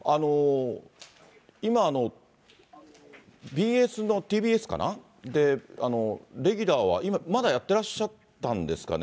今、ＢＳのＴＢＳかな、レギュラーはまだやってらっしゃったんですかね？